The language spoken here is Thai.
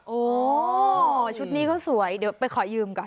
โอ้ชุดนี้ก็สวยเดี๋ยวไปขอยืมก่อน